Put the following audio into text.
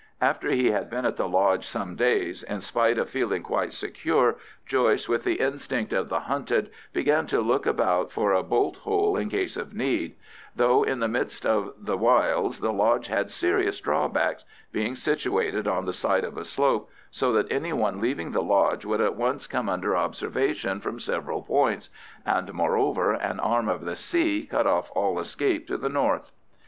After he had been at the lodge some days, in spite of feeling quite secure, Joyce, with the instinct of the hunted, began to look about for a bolt hole in case of need; though in the midst of the wilds the lodge had serious drawbacks, being situated on the side of a slope, so that any one leaving the lodge would at once come under observation from several points, and, moreover, an arm of the sea cut off all escape to the north.